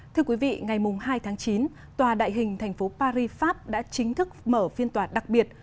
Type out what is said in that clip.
thưa quý vị ngày hai tháng chín tòa đại hình thành phố paris pháp đã chính thức mở phiên tòa đặc biệt